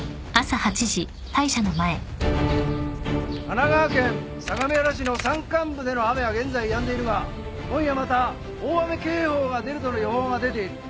神奈川県相模原市の山間部での雨は現在やんでいるが今夜また大雨警報が出るとの予報が出ている。